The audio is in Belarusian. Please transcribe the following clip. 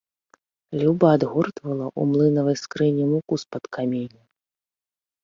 Люба адгортвала ў млынавай скрыні муку з-пад каменя.